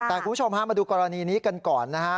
แต่คุณผู้ชมฮะมาดูกรณีนี้กันก่อนนะฮะ